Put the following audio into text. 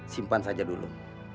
simpan saja dulu